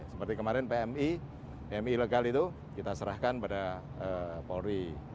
seperti kemarin pmi pmi ilegal itu kita serahkan pada polri